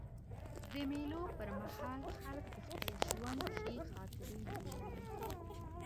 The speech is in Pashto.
د مېلو پر مهال خلک د خپل ژوند ښې خاطرې جوړوي.